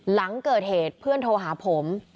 หลังเกิดเหตุเพื่อนโทรหาผม